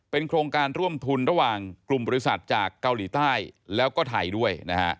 โครงการร่วมทุนระหว่างกลุ่มบริษัทจากเกาหลีใต้แล้วก็ไทยด้วยนะฮะ